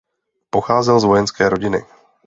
Pocházel z vojenské rodiny.